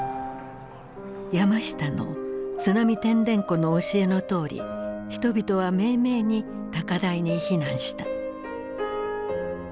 山下の「津波てんでんこ」の教えのとおり人々はめいめいに高台に避難した。